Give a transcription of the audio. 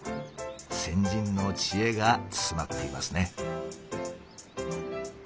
先人の知恵が詰まっていますね。